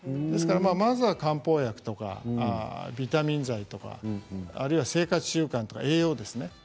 ですから、まずは漢方薬とかビタミン剤とかあるいは生活習慣とか栄養ですね